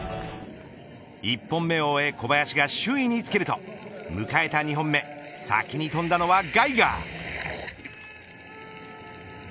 １本目を終え小林が首位につけると迎えた２本目先に飛んだのはガイガー。